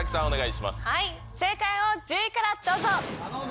正解を１０位からどうぞ！